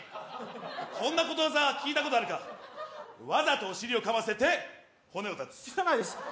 こんなことわざ聞いたことあるかわざとおしりをかませて骨を断つ知らないです